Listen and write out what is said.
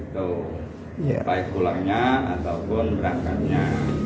tuh baik pulangnya ataupun berangkanya